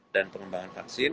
dan pengembangan vaksin